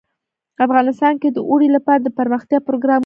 افغانستان کې د اوړي لپاره دپرمختیا پروګرامونه شته.